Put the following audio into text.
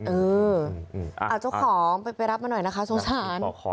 เออเอาเจ้าของไปรับมาหน่อยนะคะสงสาร